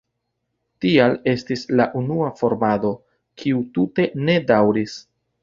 Tial estis la unua formado, kiu tute ne daŭris.